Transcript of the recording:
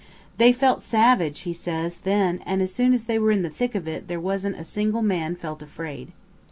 They felt savage, he says, then, and as soon as they were in the thick of it, there wasn't a single man felt afraid."